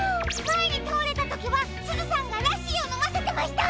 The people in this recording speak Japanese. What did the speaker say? まえにたおれたときはすずさんがラッシーをのませてました。